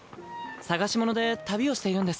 捜し物で旅をしているんです。